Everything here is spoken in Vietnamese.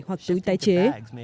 hoặc túi tái chế